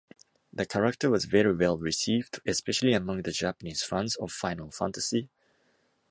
The character was very well received, especially among the Japanese fans of "Final Fantasy".